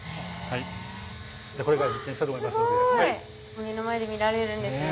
目の前で見られるんですね。